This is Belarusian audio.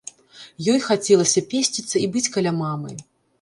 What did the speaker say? Ёй хацелася песціцца і быць каля мамы.